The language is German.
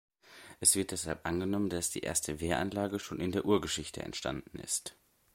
Es wird deshalb angenommen, dass die erste Wehranlage schon in der Urgeschichte entstanden ist.